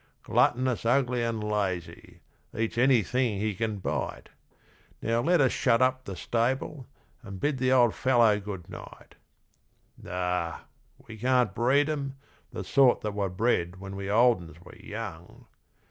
Gluttonous, ugly, and lazy eats any thing he can bite; Now, let us shut up the stable, and bid the old fellow good night: Ah! We can't breed 'em, the sort that were bred when we old 'uns were young.